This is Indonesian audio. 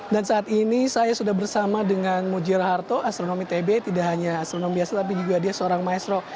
dan saat ini saya sudah bersama dengan mujiraharto astronomi tb tidak hanya astronomi biasa tapi juga dia seorang maestro